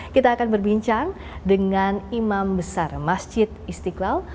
kita akan berbincang dengan imam besar masjid istiqlal